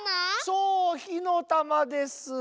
そうひのたまです。